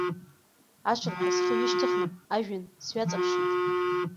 Ашырҳәа схы ҩышьҭыхны ажәҩан сҩаҵаԥшит.